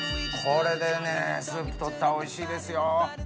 これでねスープ取ったらおいしいですよ。